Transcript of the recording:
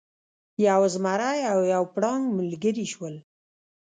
یو زمری او یو پړانګ ملګري شول.